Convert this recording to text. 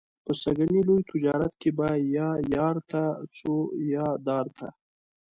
په سږني لوی تجارت کې به یا یار ته څو یا دار ته.